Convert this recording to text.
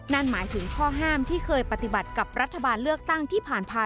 นั่นหมายถึงข้อห้ามที่เคยปฏิบัติกับรัฐบาลเลือกตั้งที่ผ่านมา